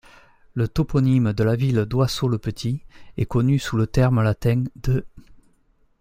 Le toponyme de la ville d'Oisseau-le-Petit est connu sous le terme latin d'.